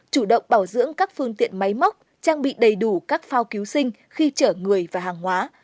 chủ động bảo dưỡng các phương tiện máy móc trang bị đầy đủ các phao cứu sinh khi chở người và hàng hóa